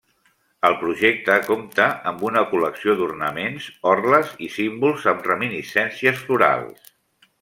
El projecte compte amb una col·lecció d'ornaments, orles i símbols amb reminiscències florals.